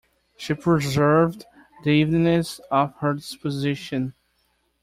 She preserved the evenness of her disposition..